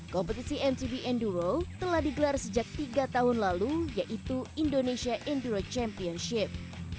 kompetisi mtb enduro telah digelar sejak tiga tahun lalu yaitu indonesia enduro championship